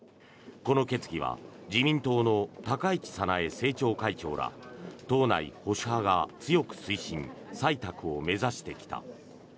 この決議は自民党の高市早苗政調会長ら党内保守派が強く推進採択を目指してきた。